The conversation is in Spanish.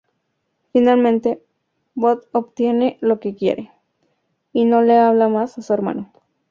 Finalmente, Bob obtiene lo que quiere, y no le habla más a su hermano.